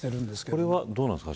そこはどうなんですか。